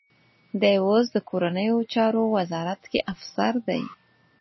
دی اوس د کورنیو چارو وزارت کې افسر دی.